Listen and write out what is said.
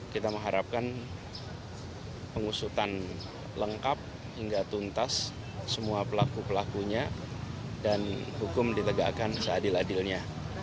kita mengharapkan pengusutan lengkap hingga tuntas semua pelaku pelakunya dan hukum ditegakkan seadil adilnya